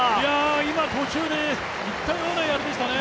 今、途中でいったような槍でしたね。